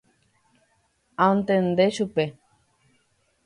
Antende chupe.